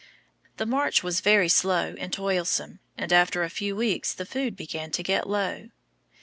The march was very slow and toilsome, and after a few weeks the food began to get low.